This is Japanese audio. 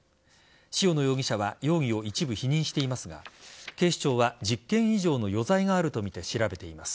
塩野容疑者は容疑を一部否認していますが警視庁は１０件以上の余罪があるとみて調べています。